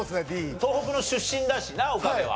東北の出身だしな岡部は。